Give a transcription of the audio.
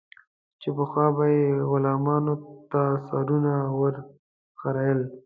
چې پخوا به یې غلامانو ته سرونه ور خرئېل.